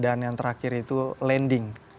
dan yang terakhir itu landing